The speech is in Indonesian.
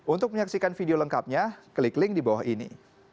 untuk menyaksikan video lengkapnya klik link di bawah ini